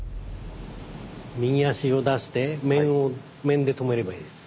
右足を出して面を面で止めればいいです。